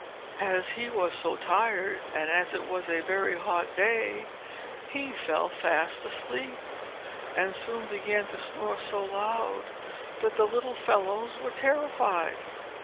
As he was so tired, and it was a very hot day, he fell fast asleep, and soon began to snore so loud, that the little fellows were terrified.